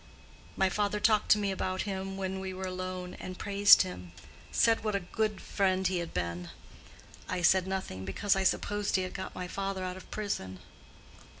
My father talked to me about him when we were alone, and praised him—said what a good friend he had been. I said nothing, because I supposed he had got my father out of prison.